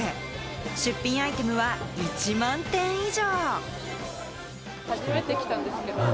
出品アイテムは１万点以上。